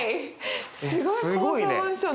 すごい高層マンションなんですね。